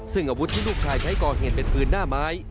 ซึ่งอาวุธที่ลูกชายใช้ก่อเหตุเป็นปืนหน้าไม้